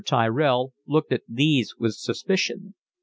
Tyrell looked at these with suspicion.